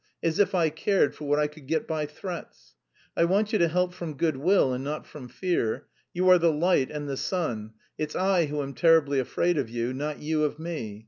As if I cared for what I could get by threats! I want you to help from goodwill and not from fear. You are the light and the sun.... It's I who am terribly afraid of you, not you of me!